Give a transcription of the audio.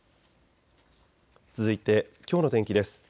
続いてきょうの天気です。